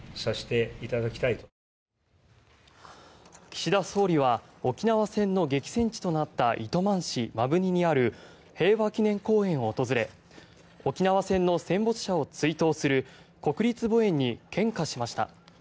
岸田総理は沖縄戦の激戦地となった糸満市摩文仁にある平和祈念公園を訪れ沖縄戦の戦没者を追悼する国立墓苑に献花しました。